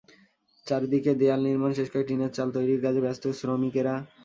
চারদিকে দেয়াল নির্মাণ শেষ করে টিনের চাল তৈরির কাজে ব্যস্ত শ্রমিকেরা।